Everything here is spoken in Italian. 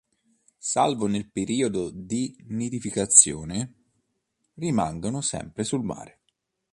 Salvo nel periodo di nidificazione, rimangono sempre sul mare.